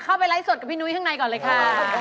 เข้าไปไลฟ์สดกับพี่นุ้ยข้างในก่อนเลยค่ะ